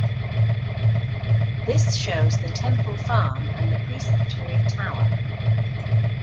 This shows the Temple Farm and the Preceptory tower.